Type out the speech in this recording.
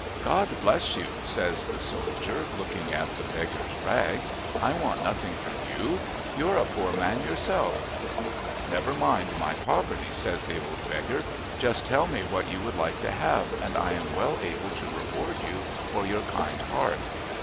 "God bless you," says the soldier, looking at the beggar's rags, "I want nothing from you. You're a poor man yourself." "Never mind my poverty," says the old beggar. "Just tell me what you would like to have, and I am well able to reward you for your kind heart."